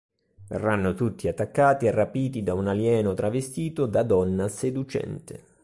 Verranno tutti attaccati e rapiti da un alieno travestito da donna seducente.